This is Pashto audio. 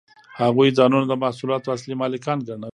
هغوی ځانونه د محصولاتو اصلي مالکان ګڼل